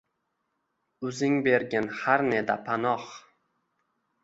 Uzing bergin har neda panoh